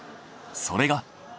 それが。